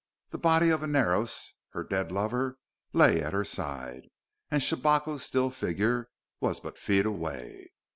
The body of Inaros, her dead lover, lay at her side; and Shabako's still figure was but feet away.